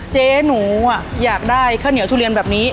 เจ๊หนูอยากได้ข้าวเหนียวทุเรียนแบบนี้